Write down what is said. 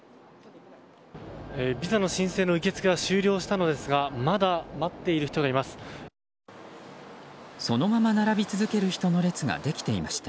ビザの申請の受け付けは終了したのですがまだ待っている人がいます。